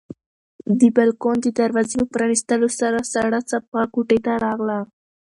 د بالکن د دروازې په پرانیستلو سره سړه څپه کوټې ته راغله.